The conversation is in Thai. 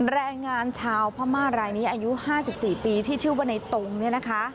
แรงงานชาวพม่ารายนี้อายุ๕๔ปีที่ชื่อว่าในตรงเนี่ยนะคะ